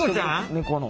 猫の。